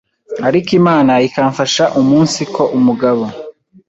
ariko Imana ikamfasha umunsiko umugabo